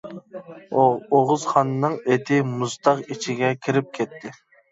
ئوغۇزخاننىڭ ئېتى مۇزتاغ ئىچىگە كىرىپ كەتتى.